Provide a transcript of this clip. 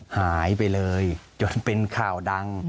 หายไปเลยจนเป็นข่าวดัง